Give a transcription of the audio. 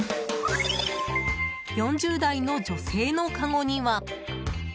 ４０代の女性のかごには。